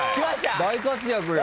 大活躍よ。